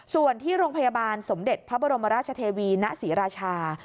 ส่วนที่โรงพยาบาลสมเด็จพระบรมราชเทวีณศรีราชา